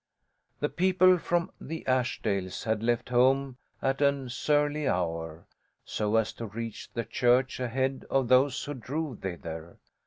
The people from the Ashdales had left home at an surly hour, so as to reach the church ahead of those who drove thither.